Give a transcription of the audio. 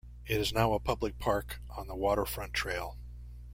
It is now a public park on the Waterfront Trail.